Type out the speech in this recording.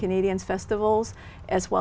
một giấc mơ vui vẻ